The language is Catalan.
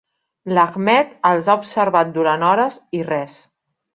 L'Ahmed els ha observat durant hores i res.